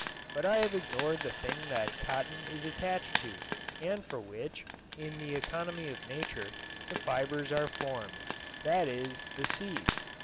But I have ignored the thing that cotton is attached to and for which, in the economy of nature, the fibers are formed; that is, the seed.